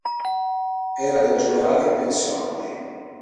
Era del generale in pensione.